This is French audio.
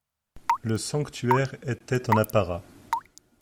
Le sanctuaire était en apparat.